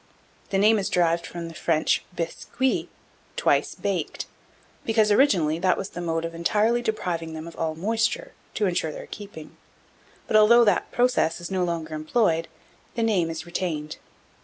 The name is derived from the French bis cuit, "twice baked," because, originally, that was the mode of entirely depriving them of all moisture, to insure their keeping; but, although that process is no longer employed, the name is retained.